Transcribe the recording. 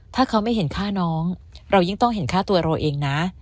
ถ้าเขาไม่เห็นค่าน้องเรายิ่งต้องเห็นค่าตัวเราเองนะ